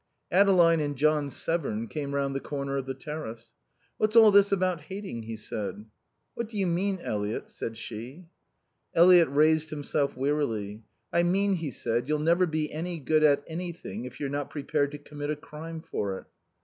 Adeline and John Severn came round the corner of the terrace. "What's all this about hating?" he said. "What do you mean, Eliot?" said she. Eliot raised himself wearily. "I mean," he said, "you'll never be any good at anything if you're not prepared to commit a crime for it."